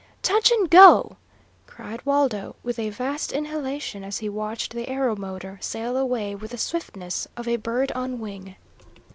"Touch and go!" cried Waldo, with a vast inhalation as he watched the aeromotor sail away with the swiftness of a bird on wing.